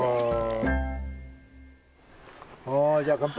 はいじゃあ乾杯。